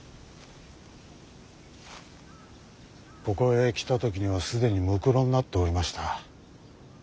ここへ来た時には既にむくろになっておりました。